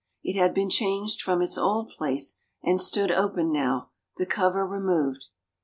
It had been changed from its old place and stood open now, the cover removed.